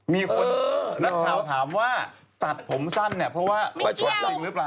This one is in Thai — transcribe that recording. มีคนนักข่าวถามว่าตัดผมสั้นเนี่ยเพราะว่าประชดจริงหรือเปล่า